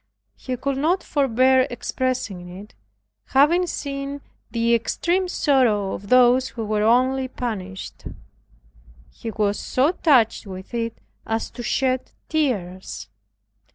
He could not forbear expressing it, having seen the extreme sorrow of those who were only banished. He was so touched with it as to shed tears.